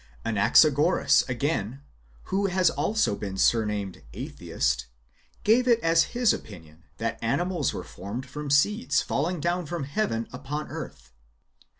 Anaxa goras, again, who has also been surnamed "Atheist," gave it as his opinion that animals were formed from seeds falling down from heaven upon earth.